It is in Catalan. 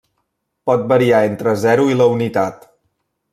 Pot variar entre zero i la unitat.